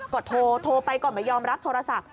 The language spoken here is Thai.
กดโทรโทรไปก่อนมายอมรับโทรศัพท์